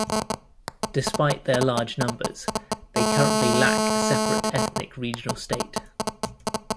Despite their large numbers they currently lack a separate ethnic regional state.